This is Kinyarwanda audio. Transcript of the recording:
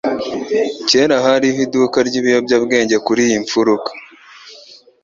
Kera hariho iduka ryibiyobyabwenge kuri iyo mfuruka.